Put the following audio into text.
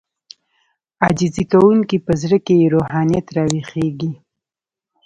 عاجزي کوونکی په زړه کې يې روحانيت راويښېږي.